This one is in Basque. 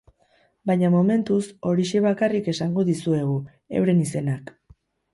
Baina, momentuz, horixe bakarrik esango dizuegu, euren izenak.